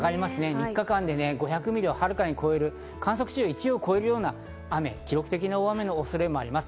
３日間で５００ｍミリを遥かに超える観測史上１位を超えるような雨、記録的な大雨の恐れもあります。